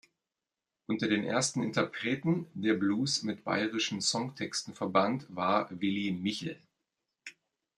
Unter den ersten Interpreten, der Blues mit bayrischen Songtexten verband, war Willy Michl.